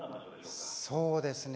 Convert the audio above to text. そうですね